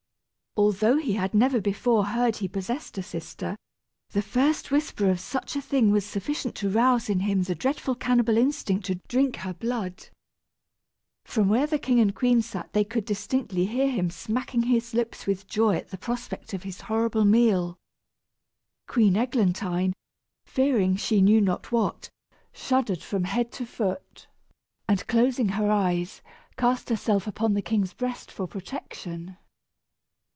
Although he had never before heard he possessed a sister, the first whisper of such a thing was sufficient to rouse in him the dreadful cannibal instinct to drink her blood. From where the king and queen sat they could distinctly hear him smacking his lips with joy at the prospect of his horrible meal. Queen Eglantine, fearing she knew not what, shuddered from head to foot, and closing her eyes cast herself upon the king's breast for protection.